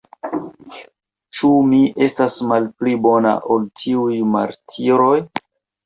Ĉu mi estas malpli bona, ol tiuj martiroj?